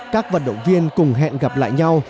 các vận động viên cùng hẹn gặp lại nhau